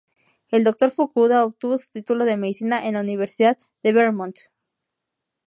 El doctor Fukuda obtuvo su título de medicina en la Universidad de Vermont.